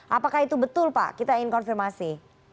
apakah itu betul pak kita ingin konfirmasi